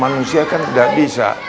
manusia kan tidak bisa